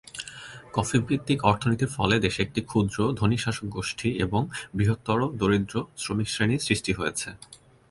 কফি-ভিত্তিক অর্থনীতির ফলে দেশে একটি ক্ষুদ্র, ধনী শাসক শ্রেণী এবং বৃহত্তর, দরিদ্র, শ্রমিক শ্রেণীর সৃষ্টি হয়েছে।